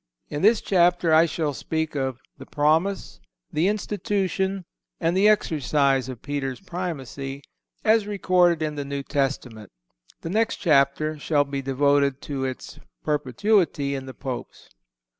In this chapter I shall speak of the Promise, the Institution, and the exercise of Peter's Primacy, as recorded in the New Testament. The next chapter shall be devoted to its perpetuity in the Popes.